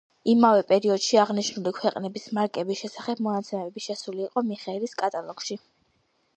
იმავე პერიოდში, აღნიშნული ქვეყნების მარკების შესახებ მონაცემები შესული იყო მიხელის კატალოგში.